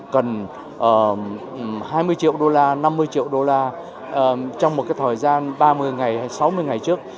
cần hai mươi triệu đô la năm mươi triệu đô la trong một cái thời gian ba mươi ngày hay sáu mươi ngày trước